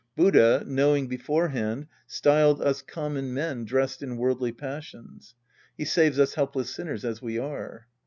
Buddha, know ing beforehand, styled us common men dressed in worldly passions. He saves us helpless sinners as we are.